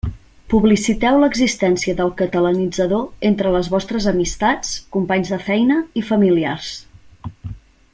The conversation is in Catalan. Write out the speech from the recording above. Publiciteu l'existència del Catalanitzador entre les vostres amistats, companys de feina i familiars.